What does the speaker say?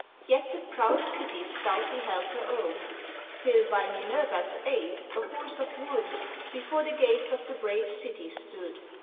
Yet the proud city stoutly held her own. Till, by Minerva's aid, a horse of wood, Before the gates of the brave city stood.